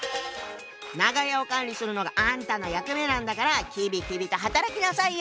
長屋を管理するのがあんたの役目なんだからきびきびと働きなさいよ。